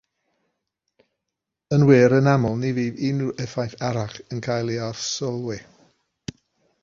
Yn wir, yn aml, ni fydd unrhyw effaith arall yn cael ei arsylwi.